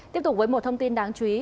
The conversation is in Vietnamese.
tiếp tục với một thông tin đáng chú ý